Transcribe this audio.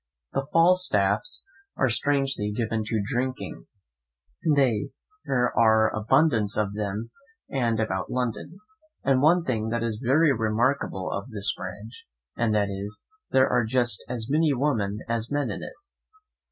The Falstaffs are strangely given to drinking: there are abundance of them in and about London. And one thing is very remarkable of this branch, and that is, there are just as many women as men in it.